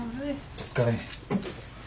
お疲れ。